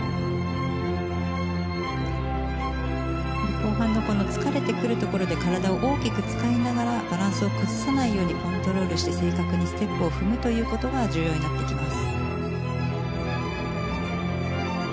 後半の疲れてくるところで体を大きく使いながらバランスを崩さないようにコントロールして正確にステップを踏むということが重要になってきます。